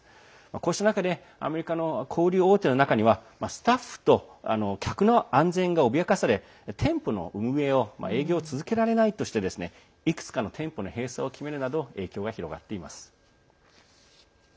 こうした中でアメリカの小売大手の中にはスタッフと客の安全が脅かされ店舗の運営営業をを続けられないとしていくつかの店舗の閉鎖を決めるなど影響が広がっています。